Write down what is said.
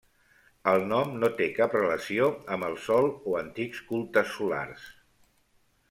El nom no té cap relació amb el Sol o antics cultes solars.